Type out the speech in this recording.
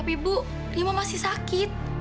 ibu rima masih sakit